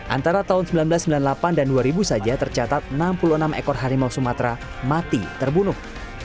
antara tahun seribu sembilan ratus sembilan puluh delapan dan dua ribu saja tercatat enam puluh enam ekor harimau sumatera mati terbunuh